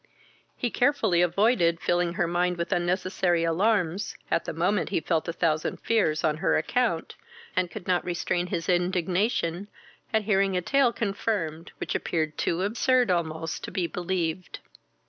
He carefully avoided filling her mind with unnecessary alarms at the moment he felt a thousand fears on her account, and could not restrain his indignation at hearing a tale confirmed which appeared too absurd almost to be believed.